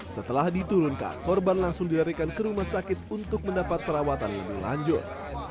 setelah diturunkan korban langsung dilarikan ke rumah sakit untuk mendapat perawatan lebih lanjut